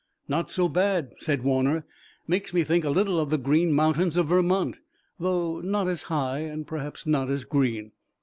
"Not so bad," said Warner. "Makes me think a little of the Green Mountains of Vermont, though not as high and perhaps not as green."